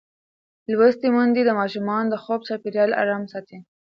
لوستې میندې د ماشومانو د خوب چاپېریال آرام ساتي.